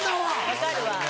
分かるわ。